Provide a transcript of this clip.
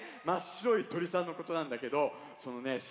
まっしろいとりさんのことなんだけどそのね